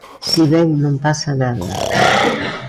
Si, ben, non pasa nada.